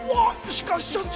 しかし社長。